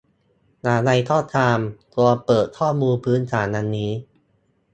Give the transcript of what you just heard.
อย่างไรก็ตาม ควรเปิดข้อมูลพื้นฐานดังนี้